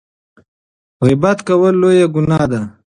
غیبت کول لویه ګناه ده.